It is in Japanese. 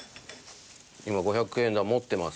今５００円玉持ってます。